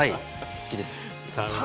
好きです。